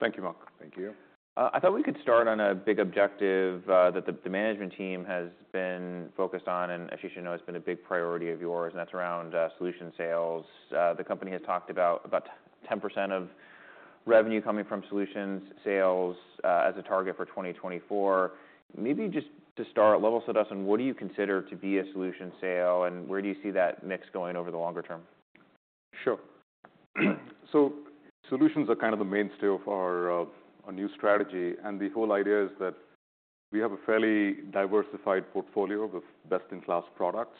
Morning. Thank you, Mark. Thank you. I thought we could start on a big objective that the management team has been focused on, and as you should know, has been a big priority of yours, and that's around solution sales. The company has talked about 10% of revenue coming from solutions sales as a target for 2024. Maybe just to start, level set us on what do you consider to be a solution sale, and where do you see that mix going over the longer term? Sure. So solutions are kind of the mainstay of our new strategy, and the whole idea is that we have a fairly diversified portfolio with best-in-class products.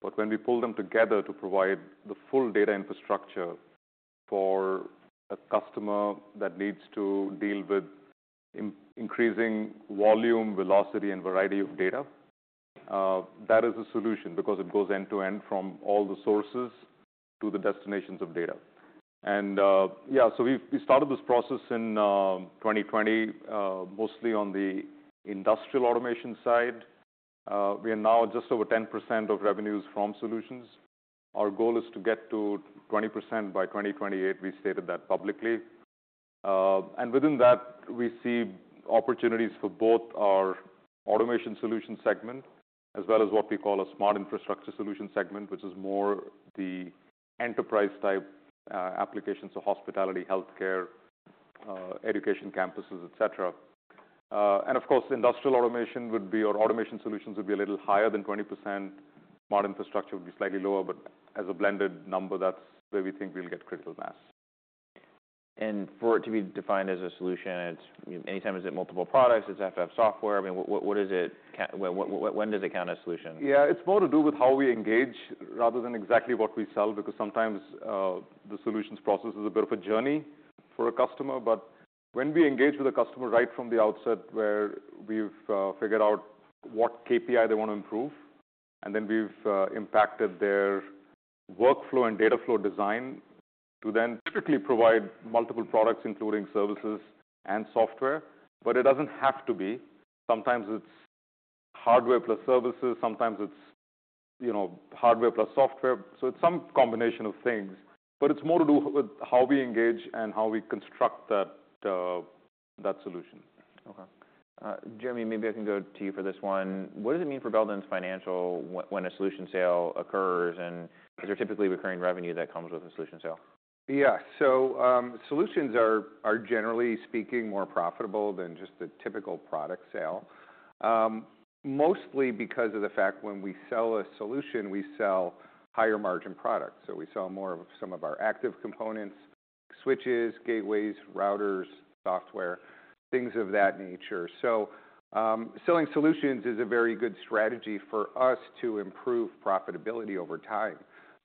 But when we pull them together to provide the full data infrastructure for a customer that needs to deal with increasing volume, velocity, and variety of data, that is a solution because it goes end-to-end from all the sources to the destinations of data. And, yeah, so we started this process in 2020, mostly on the industrial automation side. We are now just over 10% of revenues from solutions. Our goal is to get to 20% by 2028. We stated that publicly. And within that, we see opportunities for both our Automation Solutions segment as well as what we call a Smart Infrastructure Solutions segment, which is more the enterprise-type applications of hospitality, healthcare, education campuses, etc. and of course, industrial automation would be or automation solutions would be a little higher than 20%. Smart infrastructure would be slightly lower, but as a blended number, that's where we think we'll get critical mass. And for it to be defined as a solution, it's anytime is it multiple products? Does it have to have software? I mean, when does it count as a solution? Yeah, it's more to do with how we engage rather than exactly what we sell because sometimes the solutions process is a bit of a journey for a customer. But when we engage with a customer right from the outset where we've figured out what KPI they wanna improve, and then we've impacted their workflow and data flow design to then typically provide multiple products, including services and software, but it doesn't have to be. Sometimes it's hardware plus services. Sometimes it's, you know, hardware plus software. So it's some combination of things, but it's more to do with how we engage and how we construct that solution. Okay. Jeremy, maybe I can go to you for this one. What does it mean for Belden's financial when a solution sale occurs, and is there typically recurring revenue that comes with a solution sale? Yeah. So, solutions are generally speaking more profitable than just a typical product sale, mostly because of the fact when we sell a solution, we sell higher margin products. So we sell more of some of our active components: switches, gateways, routers, software, things of that nature. So, selling solutions is a very good strategy for us to improve profitability over time,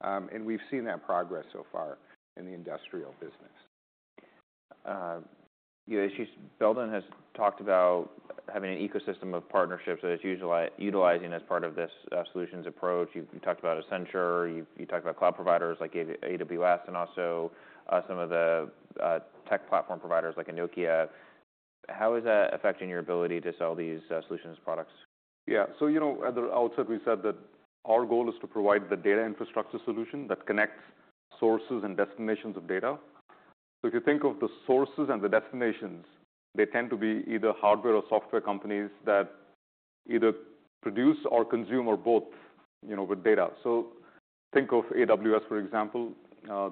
and we've seen that progress so far in the industrial business. You know, as Belden has talked about having an ecosystem of partnerships that it's utilizing as part of this solutions approach. You talked about Accenture. You talked about cloud providers like AWS and also some of the tech platform providers like Nokia. How is that affecting your ability to sell these solutions products? Yeah. So, you know, at the outset, we said that our goal is to provide the data infrastructure solution that connects sources and destinations of data. So if you think of the sources and the destinations, they tend to be either hardware or software companies that either produce or consume or both, you know, with data. So think of AWS, for example.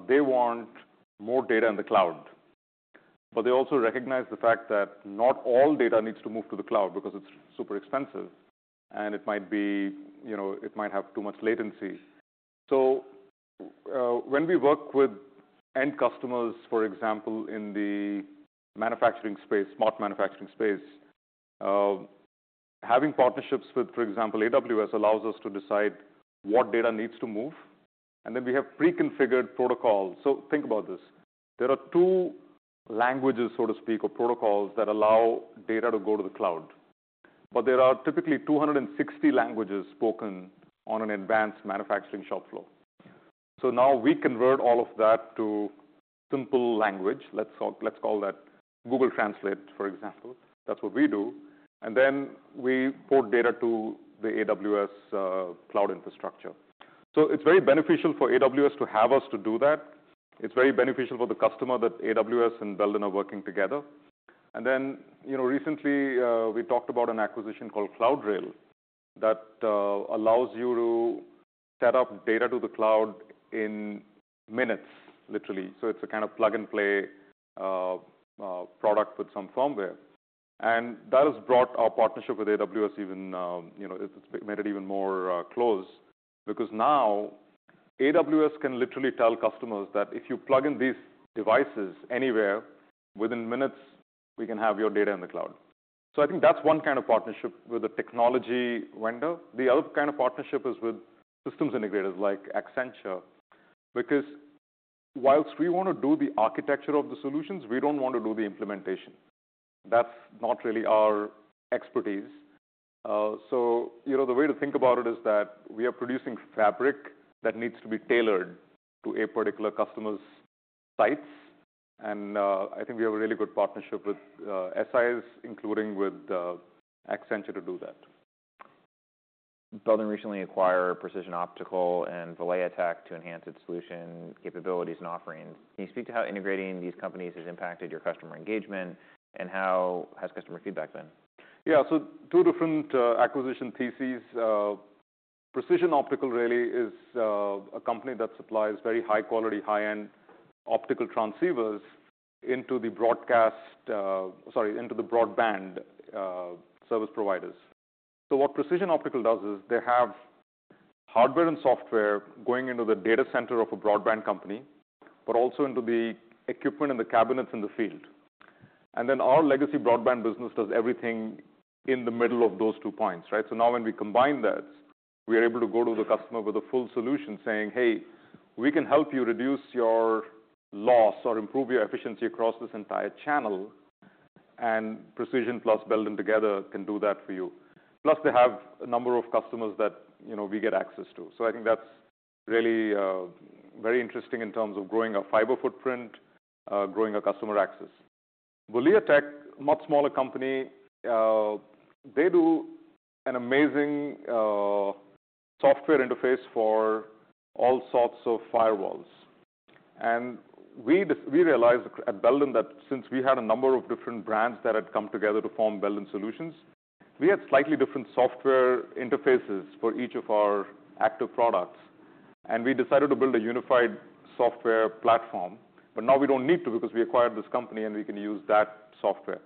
They want more data in the cloud, but they also recognize the fact that not all data needs to move to the cloud because it's super expensive, and it might be, you know, it might have too much latency. So, when we work with end customers, for example, in the manufacturing space, smart manufacturing space, having partnerships with, for example, AWS allows us to decide what data needs to move, and then we have pre-configured protocols. So think about this. There are two languages, so to speak, or protocols that allow data to go to the cloud, but there are typically 260 languages spoken on an advanced manufacturing shop floor. So now we convert all of that to simple language. Let's call, let's call that Google Translate, for example. That's what we do. And then we port data to the AWS cloud infrastructure. So it's very beneficial for AWS to have us to do that. It's very beneficial for the customer that AWS and Belden are working together. And then, you know, recently, we talked about an acquisition called CloudRail that allows you to set up data to the cloud in minutes, literally. So it's a kind of plug-and-play product with some firmware. And that has brought our partnership with AWS even, you know, it's made it even more close because now AWS can literally tell customers that if you plug in these devices anywhere, within minutes, we can have your data in the cloud. So I think that's one kind of partnership with a technology vendor. The other kind of partnership is with systems integrators like Accenture because while we wanna do the architecture of the solutions, we don't wanna do the implementation. That's not really our expertise. So, you know, the way to think about it is that we are producing fabric that needs to be tailored to a particular customer's sites, and I think we have a really good partnership with SIs, including with Accenture to do that. Belden recently acquired Precision Optical and Voleatech to enhance its solution capabilities and offerings. Can you speak to how integrating these companies has impacted your customer engagement, and how has customer feedback been? Yeah. So two different acquisition theses. Precision Optical really is a company that supplies very high-quality, high-end optical transceivers into the broadcast, sorry, into the broadband, service providers. So what Precision Optical does is they have hardware and software going into the data center of a broadband company but also into the equipment and the cabinets in the field. And then our legacy broadband business does everything in the middle of those two points, right? So now when we combine that, we are able to go to the customer with a full solution saying, "Hey, we can help you reduce your loss or improve your efficiency across this entire channel," and Precision plus Belden together can do that for you. Plus, they have a number of customers that, you know, we get access to. So I think that's really very interesting in terms of growing our fiber footprint, growing our customer access. Voleatech, much smaller company, they do an amazing software interface for all sorts of firewalls. And we realized at Belden that since we had a number of different brands that had come together to form Belden solutions, we had slightly different software interfaces for each of our active products, and we decided to build a unified software platform. But now we don't need to because we acquired this company, and we can use that software.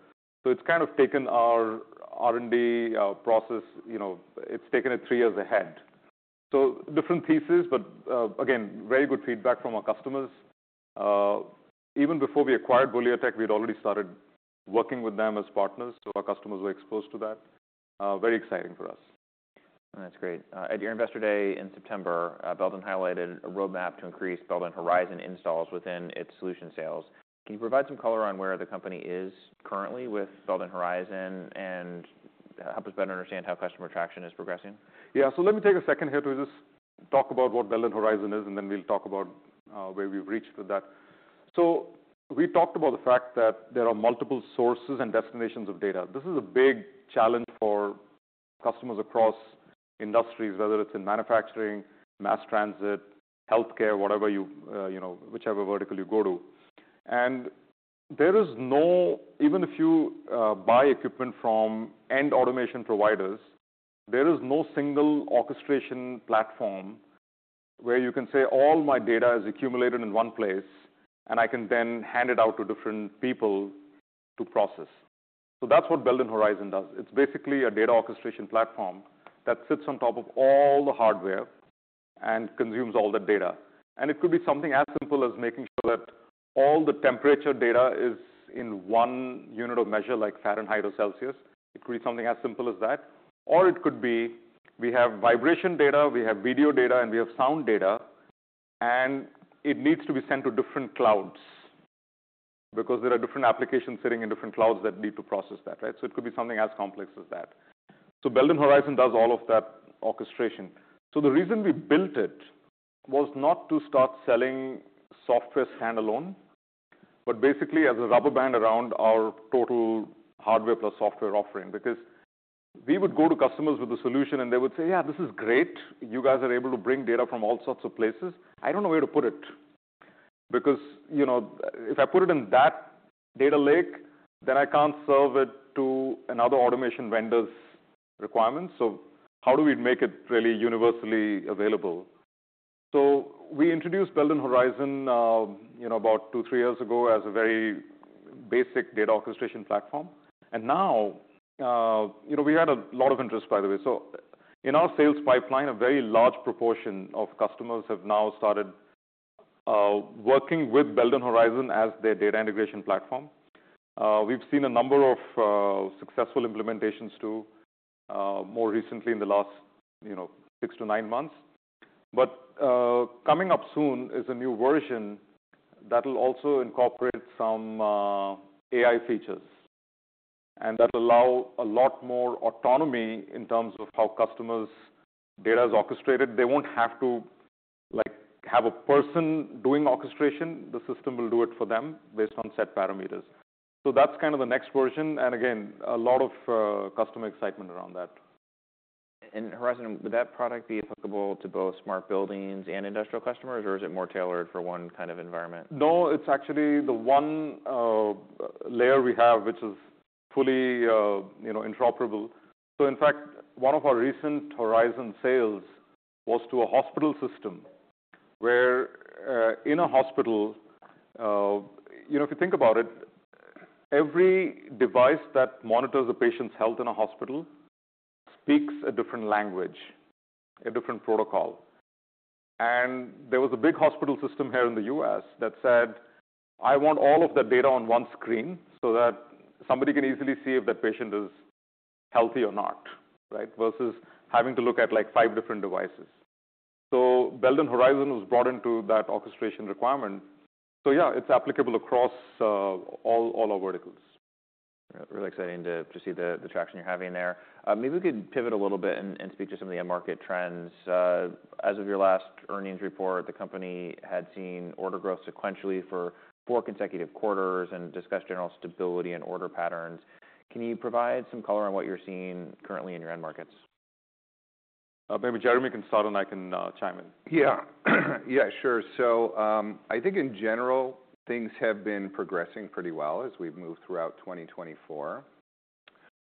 So it's kind of taken our R&D process, you know, it's taken it three years ahead. So different theses, but again, very good feedback from our customers. Even before we acquired Voleatech, we had already started working with them as partners, so our customers were exposed to that. Very exciting for us. That's great. At your investor day in September, Belden highlighted a roadmap to increase Belden Horizon installs within its solution sales. Can you provide some color on where the company is currently with Belden Horizon and help us better understand how customer traction is progressing? Yeah. So let me take a second here to just talk about what Belden Horizon is, and then we'll talk about where we've reached with that. So we talked about the fact that there are multiple sources and destinations of data. This is a big challenge for customers across industries, whether it's in manufacturing, mass transit, healthcare, whatever you, you know, whichever vertical you go to. And there is no, even if you buy equipment from end automation providers, there is no single orchestration platform where you can say, "All my data is accumulated in one place, and I can then hand it out to different people to process." So that's what Belden Horizon does. It's basically a data orchestration platform that sits on top of all the hardware and consumes all that data. And it could be something as simple as making sure that all the temperature data is in one unit of measure, like Fahrenheit or Celsius. It could be something as simple as that. Or it could be we have vibration data, we have video data, and we have sound data, and it needs to be sent to different clouds because there are different applications sitting in different clouds that need to process that, right? So it could be something as complex as that. So Belden Horizon does all of that orchestration. So the reason we built it was not to start selling software standalone, but basically as a rubber band around our total hardware plus software offering because we would go to customers with a solution, and they would say, "Yeah, this is great. You guys are able to bring data from all sorts of places. I don't know where to put it because, you know, if I put it in that data lake, then I can't serve it to another automation vendor's requirements. So how do we make it really universally available?" So we introduced Belden Horizon, you know, about two, three years ago as a very basic data orchestration platform. And now, you know, we had a lot of interest, by the way. So in our sales pipeline, a very large proportion of customers have now started working with Belden Horizon as their data integration platform. We've seen a number of successful implementations too, more recently in the last, you know, six to nine months. But coming up soon is a new version that'll also incorporate some AI features, and that'll allow a lot more autonomy in terms of how customers' data is orchestrated. They won't have to, like, have a person doing orchestration. The system will do it for them based on set parameters. So that's kind of the next version. And again, a lot of customer excitement around that. Horizon, would that product be applicable to both smart buildings and industrial customers, or is it more tailored for one kind of environment? No, it's actually the one layer we have, which is fully, you know, interoperable. So in fact, one of our recent Horizon sales was to a hospital system where, in a hospital, you know, if you think about it, every device that monitors a patient's health in a hospital speaks a different language, a different protocol. And there was a big hospital system here in the U.S. that said, "I want all of that data on one screen so that somebody can easily see if that patient is healthy or not," right, versus having to look at, like, five different devices. So Belden Horizon was brought into that orchestration requirement. So yeah, it's applicable across all our verticals. Really exciting to see the traction you're having there. Maybe we could pivot a little bit and speak to some of the end market trends. As of your last earnings report, the company had seen order growth sequentially for four consecutive quarters and discussed general stability and order patterns. Can you provide some color on what you're seeing currently in your end markets? Maybe Jeremy can start, and I can chime in. Yeah. Yeah, sure. So, I think in general, things have been progressing pretty well as we've moved throughout 2024.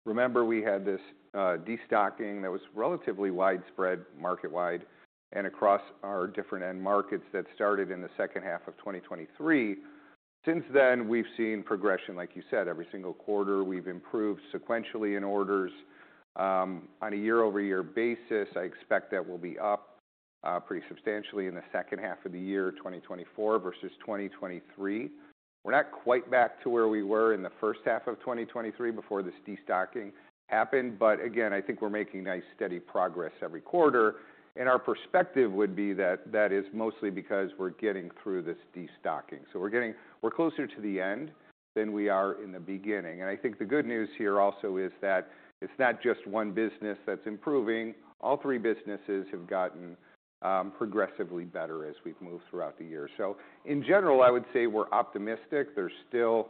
Remember, we had this destocking that was relatively widespread market-wide and across our different end markets that started in the second half of 2023. Since then, we've seen progression, like you said, every single quarter. We've improved sequentially in orders, on a year-over-year basis. I expect that we'll be up pretty substantially in the second half of the year, 2024 versus 2023. We're not quite back to where we were in the first half of 2023 before this destocking happened. But again, I think we're making nice, steady progress every quarter. And our perspective would be that that is mostly because we're getting through this destocking. So we're getting closer to the end than we are in the beginning. And I think the good news here also is that it's not just one business that's improving. All three businesses have gotten progressively better as we've moved throughout the year. So in general, I would say we're optimistic. There's still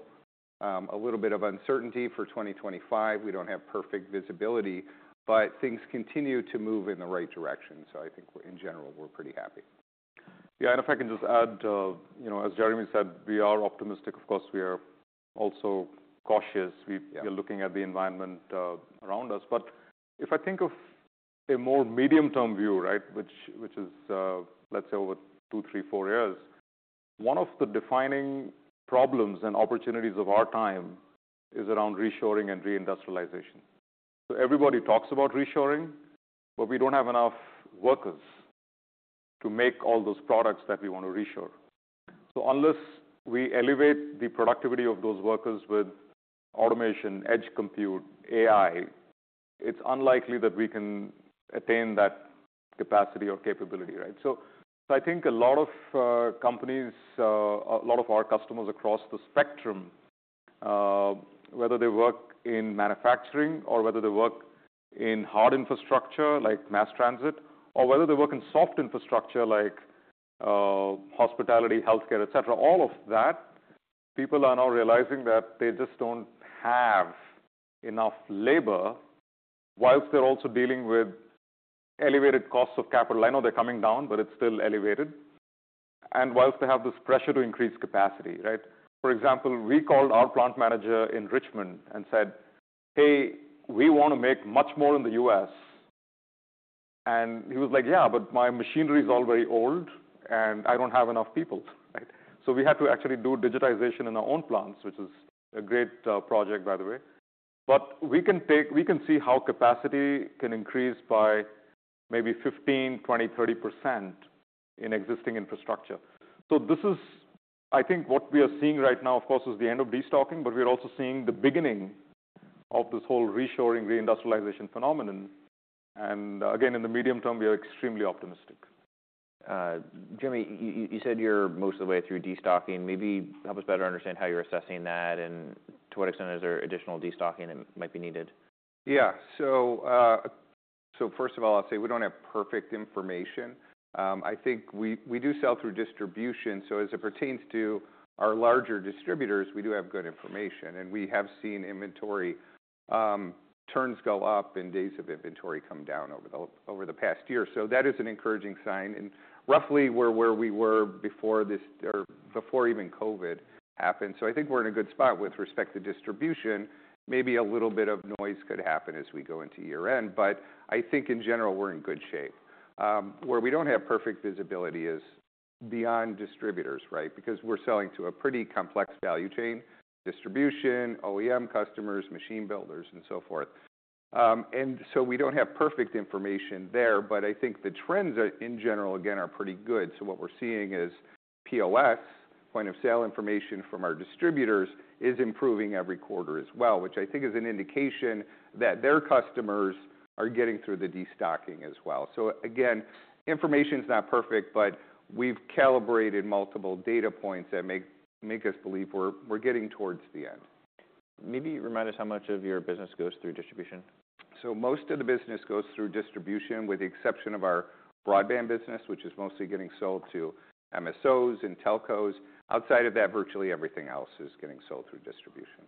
a little bit of uncertainty for 2025. We don't have perfect visibility, but things continue to move in the right direction. So I think in general, we're pretty happy. Yeah. And if I can just add, you know, as Jeremy said, we are optimistic. Of course, we are also cautious. We are looking at the environment around us. But if I think of a more medium-term view, right, which is, let's say over two, three, four years, one of the defining problems and opportunities of our time is around reshoring and reindustrialization. So everybody talks about reshoring, but we don't have enough workers to make all those products that we wanna reshore. So unless we elevate the productivity of those workers with automation, edge compute, AI, it's unlikely that we can attain that capacity or capability, right? So I think a lot of companies, a lot of our customers across the spectrum, whether they work in manufacturing or whether they work in hard infrastructure like mass transit, or whether they work in soft infrastructure like hospitality, healthcare, etc., all of that, people are now realizing that they just don't have enough labor whilst they're also dealing with elevated costs of capital. I know they're coming down, but it's still elevated. And whilst they have this pressure to increase capacity, right? For example, we called our plant manager in Richmond and said, "Hey, we wanna make much more in the U.S." And he was like, "Yeah, but my machinery is all very old, and I don't have enough people," right? So we had to actually do digitization in our own plants, which is a great project, by the way. We can see how capacity can increase by maybe 15%, 20%, 30% in existing infrastructure. So this is, I think, what we are seeing right now. Of course, it is the end of destocking, but we are also seeing the beginning of this whole reshoring, reindustrialization phenomenon. And again, in the medium term, we are extremely optimistic. Jeremy, you said you're most of the way through destocking. Maybe help us better understand how you're assessing that and to what extent is there additional destocking that might be needed? Yeah. So first of all, I'll say we don't have perfect information. I think we do sell through distribution. So as it pertains to our larger distributors, we do have good information, and we have seen inventory turns go up and days of inventory come down over the past year. So that is an encouraging sign. And roughly where we were before this or before even COVID happened. So I think we're in a good spot with respect to distribution. Maybe a little bit of noise could happen as we go into year-end, but I think in general, we're in good shape. Where we don't have perfect visibility is beyond distributors, right, because we're selling to a pretty complex value chain: distribution, OEM customers, machine builders, and so forth. And so we don't have perfect information there, but I think the trends in general, again, are pretty good. So what we're seeing is POS, point of sale information from our distributors, is improving every quarter as well, which I think is an indication that their customers are getting through the destocking as well. So again, information's not perfect, but we've calibrated multiple data points that make us believe we're getting towards the end. Maybe remind us how much of your business goes through distribution? So most of the business goes through distribution with the exception of our broadband business, which is mostly getting sold to MSOs and telcos. Outside of that, virtually everything else is getting sold through distribution.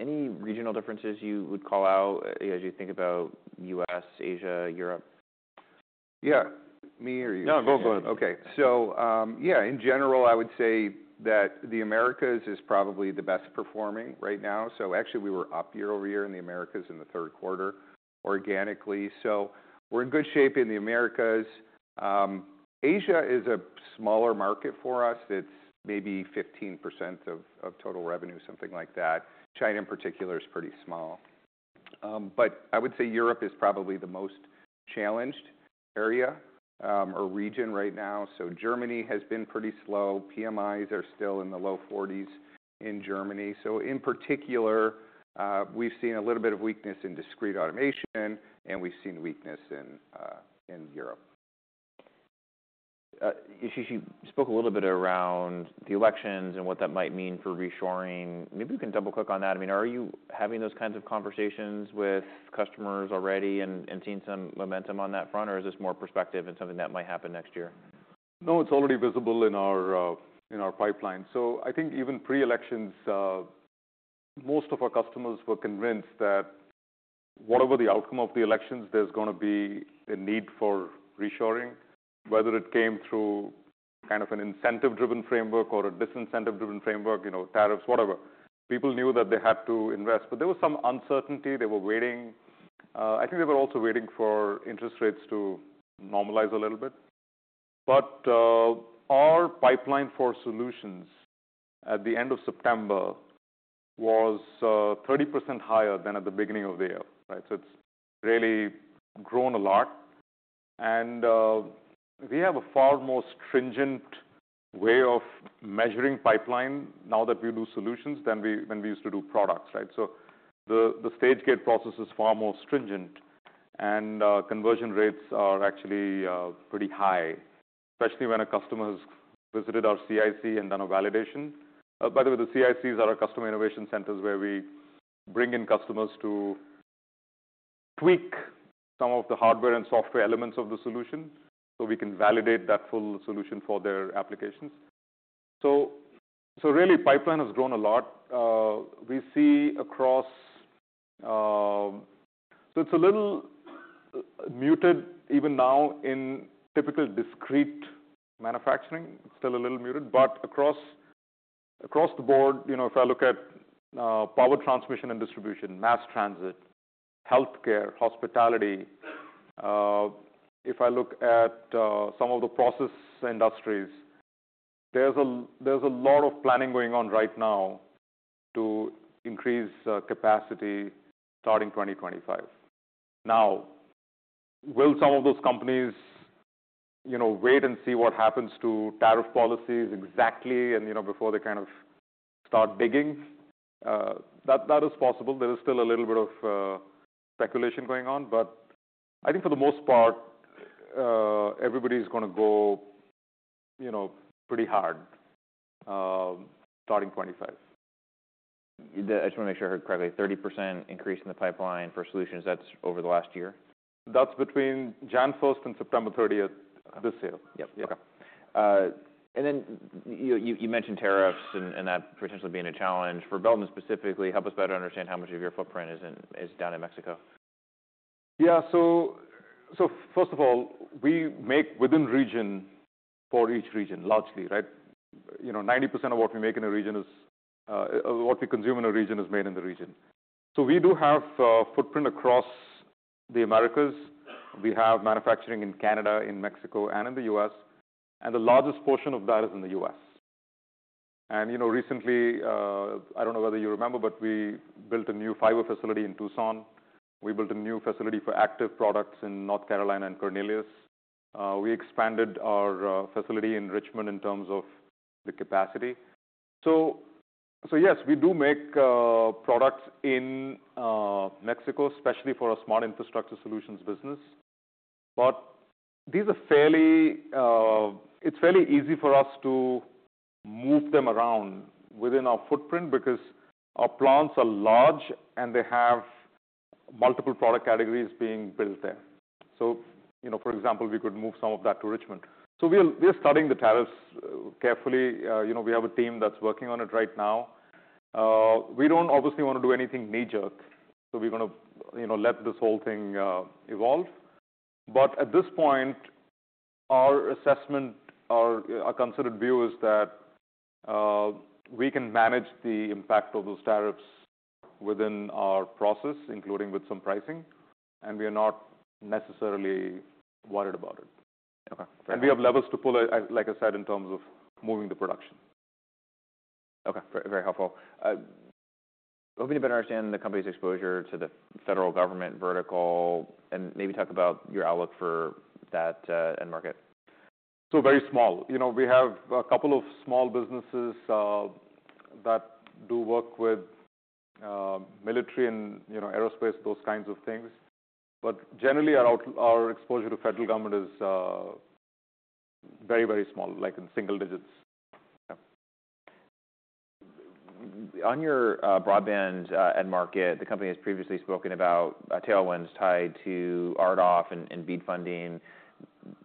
Any regional differences you would call out as you think about U.S., Asia, Europe? Yeah. Me or you? No, go ahead. Okay. So, yeah, in general, I would say that the Americas is probably the best performing right now. So actually, we were up year-over-year in the Americas in the third quarter organically. So we're in good shape in the Americas. Asia is a smaller market for us. It's maybe 15% of total revenue, something like that. China in particular is pretty small. But I would say Europe is probably the most challenged area, or region right now. So Germany has been pretty slow. PMIs are still in the low 40s in Germany. So in particular, we've seen a little bit of weakness in discrete automation, and we've seen weakness in Europe. You spoke a little bit around the elections and what that might mean for reshoring. Maybe you can double-click on that. I mean, are you having those kinds of conversations with customers already and seeing some momentum on that front, or is this more perspective and something that might happen next year? No, it's already visible in our pipeline. So I think even pre-elections, most of our customers were convinced that whatever the outcome of the elections, there's gonna be a need for reshoring, whether it came through kind of an incentive-driven framework or a disincentive-driven framework, you know, tariffs, whatever. People knew that they had to invest, but there was some uncertainty. They were waiting. I think they were also waiting for interest rates to normalize a little bit, but our pipeline for solutions at the end of September was 30% higher than at the beginning of the year, right? So it's really grown a lot, and we have a far more stringent way of measuring pipeline now that we do solutions than we used to do products, right? So the stage gate process is far more stringent, and conversion rates are actually pretty high, especially when a customer has visited our CIC and done a validation. By the way, the CICs are our Customer Innovation Centers where we bring in customers to tweak some of the hardware and software elements of the solution so we can validate that full solution for their applications. So really, pipeline has grown a lot. We see across, so it's a little muted even now in typical discrete manufacturing. It's still a little muted, but across the board, you know, if I look at power transmission and distribution, mass transit, healthcare, hospitality, if I look at some of the process industries, there's a lot of planning going on right now to increase capacity starting 2025. Now, will some of those companies, you know, wait and see what happens to tariff policies exactly and, you know, before they kind of start digging? That is possible. There is still a little bit of speculation going on, but I think for the most part, everybody's gonna go, you know, pretty hard, starting 2025. I just wanna make sure I heard correctly, 30% increase in the pipeline for solutions. That's over the last year? That's between January 1st and September 30th this year. Yep. Yep. Okay. And then you mentioned tariffs and that potentially being a challenge for Belden specifically. Help us better understand how much of your footprint is down in Mexico. Yeah. So, so first of all, we make within region for each region largely, right? You know, 90% of what we make in a region is, what we consume in a region is made in the region. So we do have footprint across the Americas. We have manufacturing in Canada, in Mexico, and in the U..S. And the largest portion of that is in the U.S. And, you know, recently, I don't know whether you remember, but we built a new fiber facility in Tucson. We built a new facility for active products in North Carolina and Cornelius. We expanded our facility in Richmond in terms of the capacity. So, so yes, we do make products in Mexico, especially for a smart infrastructure solutions business. But it's fairly easy for us to move them around within our footprint because our plants are large and they have multiple product categories being built there. So, you know, for example, we could move some of that to Richmond. So we are studying the tariffs carefully. You know, we have a team that's working on it right now. We don't obviously wanna do anything knee-jerk. So we're gonna, you know, let this whole thing evolve. But at this point, our assessment, our considered view is that we can manage the impact of those tariffs within our process, including with some pricing, and we are not necessarily worried about it. Okay. And we have levers to pull, like I said, in terms of moving the production. Okay. Very helpful. Help me to better understand the company's exposure to the federal government vertical and maybe talk about your outlook for that end market. So very small. You know, we have a couple of small businesses that do work with military and, you know, aerospace, those kinds of things. But generally, our exposure to federal government is very, very small, like in single digits. Okay. On your broadband end market, the company has previously spoken about tailwinds tied to RDOF and BEAD funding.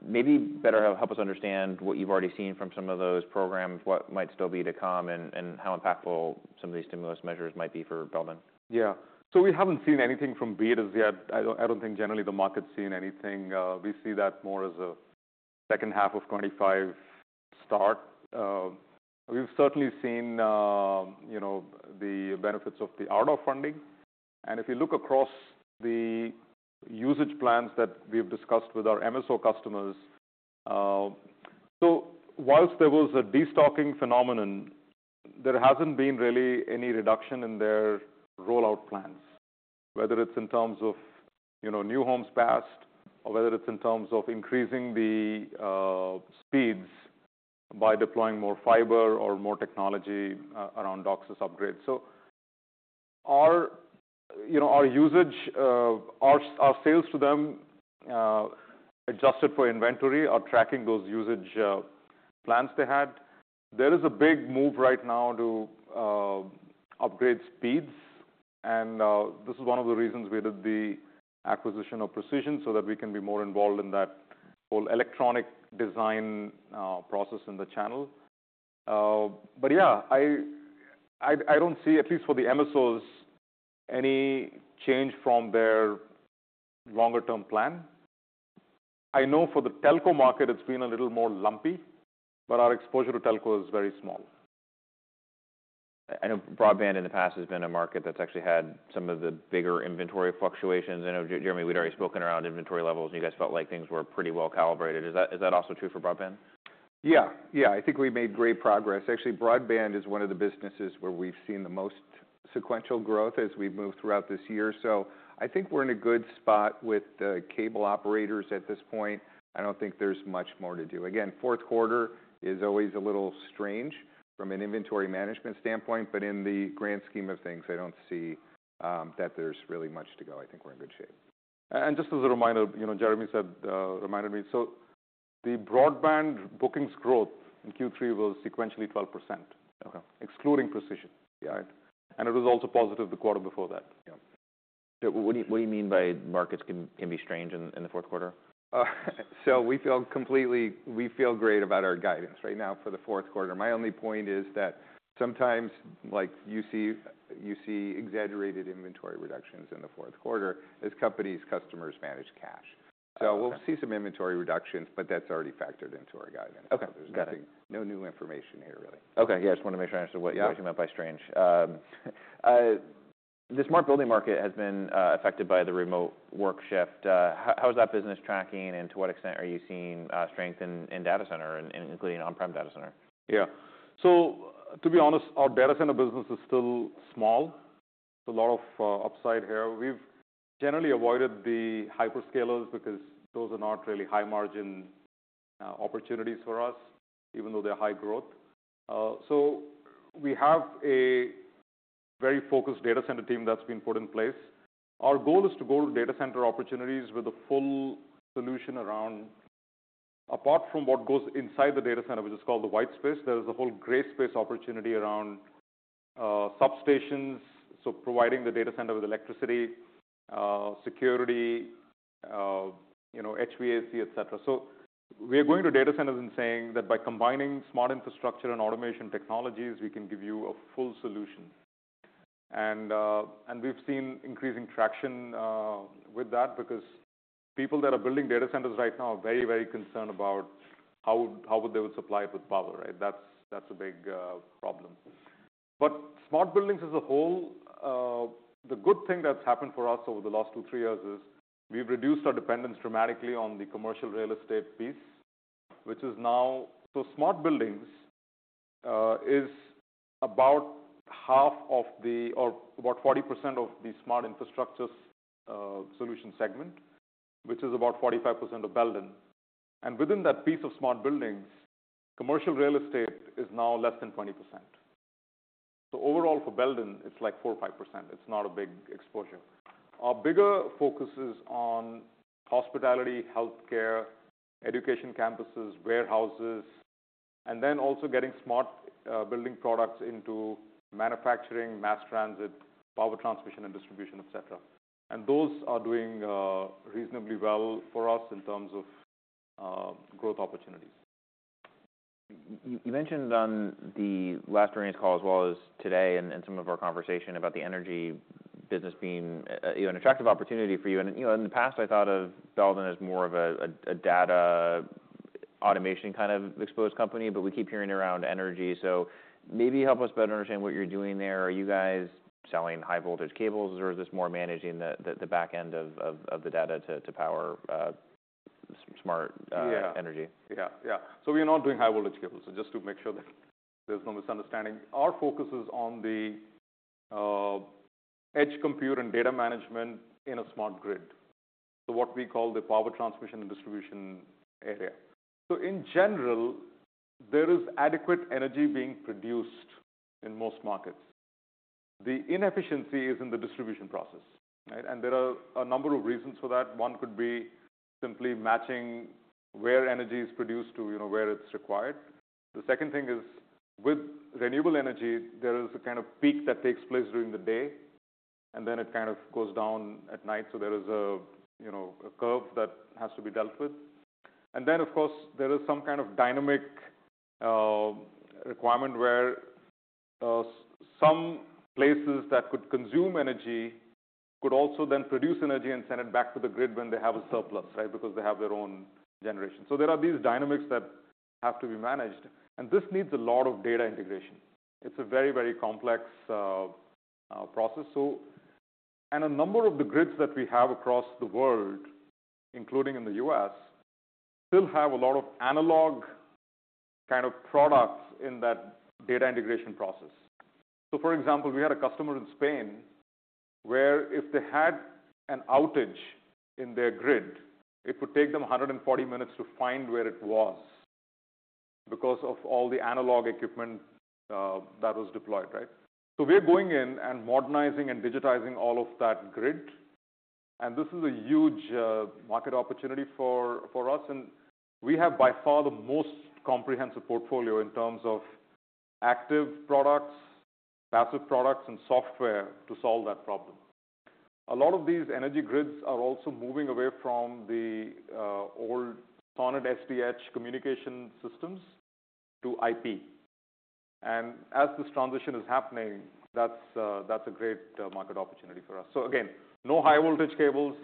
Maybe better help us understand what you've already seen from some of those programs, what might still be to come, and how impactful some of these stimulus measures might be for Belden. Yeah. So we haven't seen anything from BEAD as yet. I don't, I don't think generally the market's seen anything. We see that more as a second half of 2025 start. We've certainly seen, you know, the benefits of the RDOF funding. And if you look across the usage plans that we've discussed with our MSO customers, so whilst there was a destocking phenomenon, there hasn't been really any reduction in their rollout plans, whether it's in terms of, you know, new homes passed or whether it's in terms of increasing the speeds by deploying more fiber or more technology around DOCSIS upgrades. So our, you know, our usage, our sales to them, adjusted for inventory or tracking those usage plans they had. There is a big move right now to upgrade speeds. This is one of the reasons we did the acquisition of Precision so that we can be more involved in that whole electronic design process in the channel. But yeah, I don't see, at least for the MSOs, any change from their longer-term plan. I know for the telco market, it's been a little more lumpy, but our exposure to telco is very small. I know broadband in the past has been a market that's actually had some of the bigger inventory fluctuations. I know, Jeremy, we'd already spoken around inventory levels, and you guys felt like things were pretty well calibrated. Is that, is that also true for broadband? Yeah. Yeah. I think we made great progress. Actually, broadband is one of the businesses where we've seen the most sequential growth as we've moved throughout this year. So I think we're in a good spot with the cable operators at this point. I don't think there's much more to do. Again, fourth quarter is always a little strange from an inventory management standpoint, but in the grand scheme of things, I don't see that there's really much to go. I think we're in good shape. And just as a reminder, you know, Jeremy said, reminded me. So the broadband bookings growth in Q3 was sequentially 12%. Okay. Excluding Precision, right? And it was also positive the quarter before that. Yeah. What do you mean by markets can be strange in the fourth quarter? So we feel completely, we feel great about our guidance right now for the fourth quarter. My only point is that sometimes, like you see, you see exaggerated inventory reductions in the fourth quarter as companies' customers manage cash. So we'll see some inventory reductions, but that's already factored into our guidance. Okay. Got it. There's nothing, no new information here, really. Okay. Yeah. I just wanna make sure I understood what you meant by strange. The smart building market has been affected by the remote work shift. How is that business tracking, and to what extent are you seeing strength in data center and including on-prem data center? Yeah. So to be honest, our data center business is still small. It's a lot of upside here. We've generally avoided the hyperscalers because those are not really high-margin opportunities for us, even though they're high growth. So we have a very focused data center team that's been put in place. Our goal is to go to data center opportunities with a full solution around, apart from what goes inside the data center, which is called the white space. There is a whole gray space opportunity around substations, so providing the data center with electricity, security, you know, HVAC, etc. So we are going to data centers and saying that by combining smart infrastructure and automation technologies, we can give you a full solution. And we've seen increasing traction with that because people that are building data centers right now are very, very concerned about how they would supply it with power, right? That's a big problem. But smart buildings as a whole, the good thing that's happened for us over the last two, three years is we've reduced our dependence dramatically on the commercial real estate piece, which is now so smart buildings is about half of the or about 40% of the smart infrastructure solution segment, which is about 45% of Belden. And within that piece of smart buildings, commercial real estate is now less than 20%. So overall for Belden, it's like 4-5%. It's not a big exposure. Our bigger focus is on hospitality, healthcare, education campuses, warehouses, and then also getting smart building products into manufacturing, mass transit, power transmission and distribution, etc. And those are doing reasonably well for us in terms of growth opportunities. You mentioned on the last earnings call as well as today and some of our conversation about the energy business being, you know, an attractive opportunity for you. And, you know, in the past, I thought of Belden as more of a data automation kind of exposed company, but we keep hearing around energy. So maybe help us better understand what you're doing there. Are you guys selling high-voltage cables, or is this more managing the back end of the data to power smart energy? Yeah. Yeah. Yeah. So we are not doing high-voltage cables. So just to make sure that there's no misunderstanding, our focus is on the edge compute and data management in a smart grid, so what we call the power transmission and distribution area. So in general, there is adequate energy being produced in most markets. The inefficiency is in the distribution process, right? And there are a number of reasons for that. One could be simply matching where energy is produced to, you know, where it's required. The second thing is with renewable energy, there is a kind of peak that takes place during the day, and then it kind of goes down at night. So there is a, you know, a curve that has to be dealt with. And then, of course, there is some kind of dynamic requirement where some places that could consume energy could also then produce energy and send it back to the grid when they have a surplus, right, because they have their own generation. So there are these dynamics that have to be managed. And this needs a lot of data integration. It's a very, very complex process. So, and a number of the grids that we have across the world, including in the U.S., still have a lot of analog kind of products in that data integration process. So, for example, we had a customer in Spain where if they had an outage in their grid, it would take them 140 minutes to find where it was because of all the analog equipment that was deployed, right? So we are going in and modernizing and digitizing all of that grid. This is a huge market opportunity for us. We have by far the most comprehensive portfolio in terms of active products, passive products, and software to solve that problem. A lot of these energy grids are also moving away from the old SONET SDH communication systems to IP. As this transition is happening, that's a great market opportunity for us. Again, no high-voltage cables,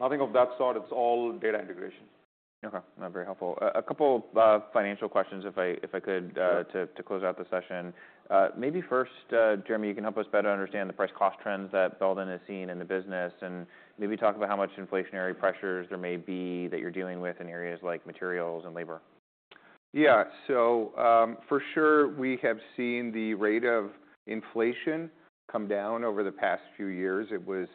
nothing of that sort. It's all data integration. Okay. That's very helpful. A couple of financial questions, if I could, to close out the session. Maybe first, Jeremy, you can help us better understand the price-cost trends that Belden has seen in the business and maybe talk about how much inflationary pressures there may be that you're dealing with in areas like materials and labor. Yeah. So, for sure, we have seen the rate of inflation come down over the past few years. It was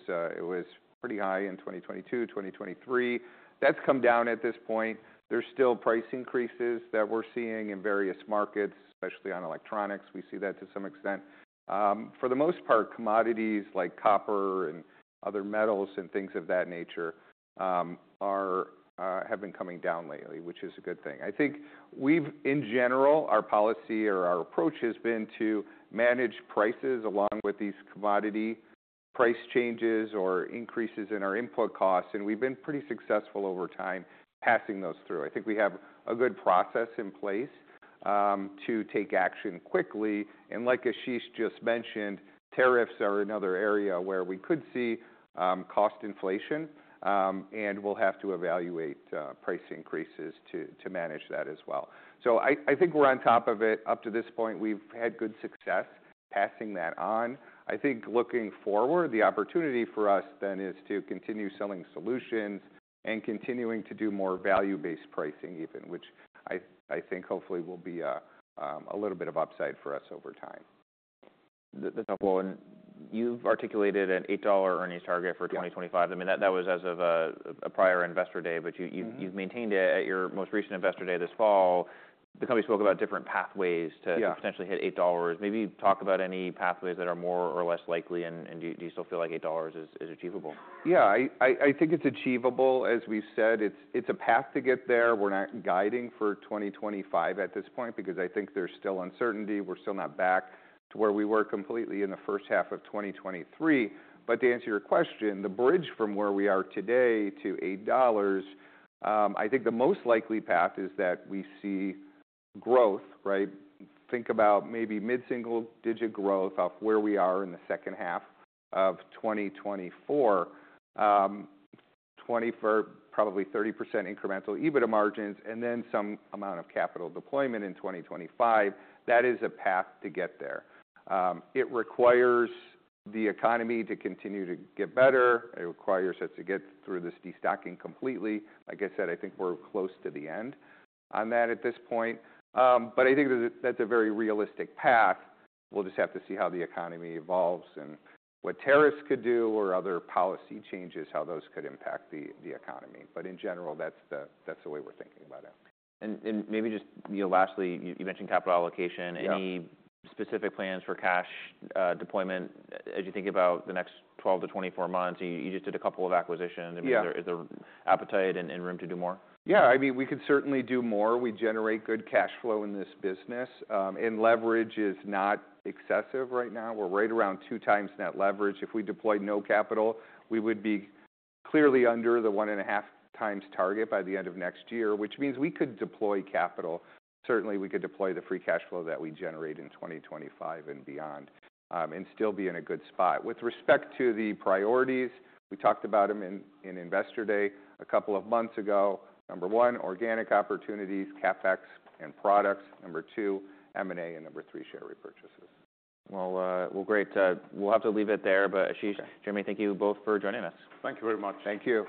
pretty high in 2022, 2023. That's come down at this point. There's still price increases that we're seeing in various markets, especially on electronics. We see that to some extent. For the most part, commodities like copper and other metals and things of that nature have been coming down lately, which is a good thing. I think we've in general our policy or our approach has been to manage prices along with these commodity price changes or increases in our input costs. And we've been pretty successful over time passing those through. I think we have a good process in place to take action quickly. Like Ashish just mentioned, tariffs are another area where we could see cost inflation, and we'll have to evaluate price increases to manage that as well. I think we're on top of it. Up to this point, we've had good success passing that on. I think looking forward, the opportunity for us then is to continue selling solutions and continuing to do more value-based pricing even, which I think hopefully will be a little bit of upside for us over time. That's helpful. And you've articulated an $8 earnings target for 2025. I mean, that was as of a prior investor day, but you've maintained it at your most recent investor day this fall. The company spoke about different pathways to. Yeah. Potentially hit $8. Maybe talk about any pathways that are more or less likely. And do you still feel like $8 is achievable? Yeah. I think it's achievable. As we said, it's a path to get there. We're not guiding for 2025 at this point because I think there's still uncertainty. We're still not back to where we were completely in the first half of 2023. But to answer your question, the bridge from where we are today to $8, I think the most likely path is that we see growth, right? Think about maybe mid-single-digit growth of where we are in the second half of 2024, 20 for probably 30% incremental EBITDA margins, and then some amount of capital deployment in 2025. That is a path to get there. It requires the economy to continue to get better. It requires us to get through this destocking completely. Like I said, I think we're close to the end on that at this point. But I think that's a very realistic path. We'll just have to see how the economy evolves and what tariffs could do or other policy changes, how those could impact the economy. But in general, that's the way we're thinking about it. Maybe just, you know, lastly, you mentioned capital allocation. Yeah. Any specific plans for cash deployment as you think about the next 12-24 months? You, you just did a couple of acquisitions. Yeah. I mean, is there appetite and room to do more? Yeah. I mean, we could certainly do more. We generate good cash flow in this business. And leverage is not excessive right now. We're right around two times net leverage. If we deployed no capital, we would be clearly under the one and a half times target by the end of next year, which means we could deploy capital. Certainly, we could deploy the free cash flow that we generate in 2025 and beyond, and still be in a good spot. With respect to the priorities, we talked about them in Investor Day a couple of months ago. Number one, organic opportunities, CapEx and products. Number two, M&A, and number three, share repurchases. We'll have to leave it there. But Ashish, Jeremy, thank you both for joining us. Thank you very much. Thank you.